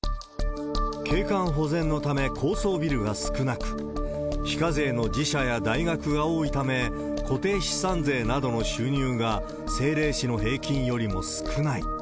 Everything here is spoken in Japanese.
景観保全のため高層ビルが少なく、非課税の寺社や大学が多いため、固定資産税などの収入が、政令市の平均よりも少ない。